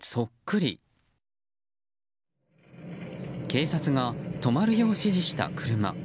警察が止まるよう指示した車。